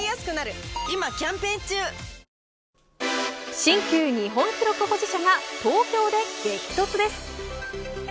新旧日本記録保持者が東京で激突です。